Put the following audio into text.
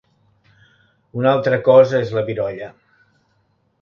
Una altra cosa és la virolla.